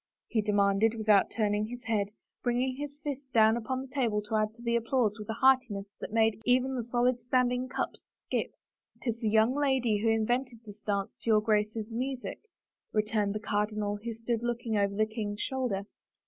he demanded, without tumin^^ his head, bringing his fist down upon the table to add to the applause with a heartiness that made even the solid standing cups skip. " Tis the yoimg lady who invented this dance to yoiu* Grace's music," returned the cardinal who stood looking over the king's shoulder.